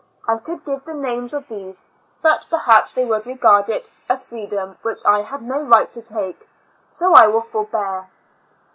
I could give the names of these, but perhaps they would regard it a freedom which I had no right to take; so I will forbear.